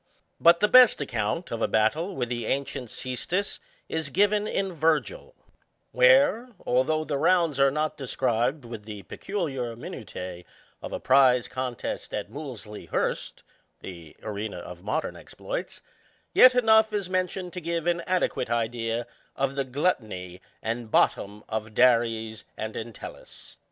But the best account of a battle with the ancient ccestus is given in Virgil, where, although the rounds are not described with the peculiar minu ti┬╗ of a prize contest at Movlsey Hurst, (the arena of modem exploits,) yet enough is mentioned to give an adequate idea of the gluttony and bottom of Dares and Entelltcs.